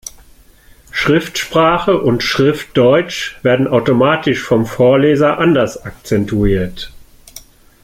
Schriftsprache und Schriftdeutsch werden automatisch vom Vorleser anders akzentuiert.